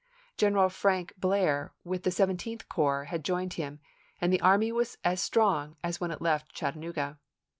Gren p.n."' eral Frank Blair with the Seventeenth Corps had joined him, and the army was as strong as when it left Chattanooga.